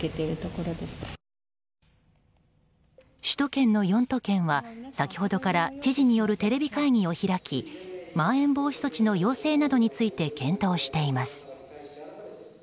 首都圏の４都県は先ほどから知事によるテレビ会議を開きまん延防止措置の要請などについて検討しています。